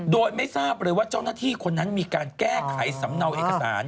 โดยไม่ทราบเลยว่าเจ้าหน้าที่คนนั้นมีการแก้ไขสำเนาเอกสาร